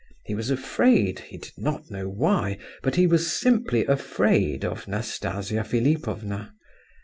He was afraid, he did not know why, but he was simply afraid of Nastasia Philipovna.